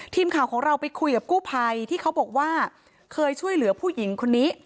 ทีมข่าวของเราไปคุยกับกู้ภัยที่เขาบอกว่าเคยช่วยเหลือผู้หญิงคนนี้